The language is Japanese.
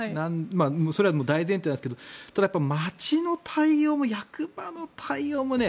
それは大前提なんですけどただ、町の対応も役場の対応もね